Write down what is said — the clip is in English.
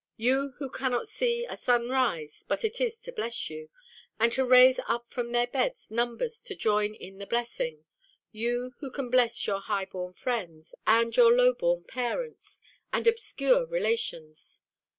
You, who cannot see a sun rise, but it is to bless you, and to raise up from their beds numbers to join in the blessing! You who can bless your high born friends, and your low born parents, and obscure relations!